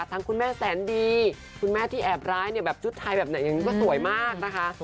ทั้งคุณแม่แสนดีคุณแม่ที่แอบร้ายเนี่ยแบบจุดไทยแบบไหนก็สวยมากนะคะ